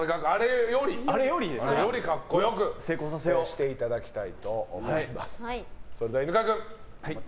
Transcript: あれより格好良くしていただきたいと思います。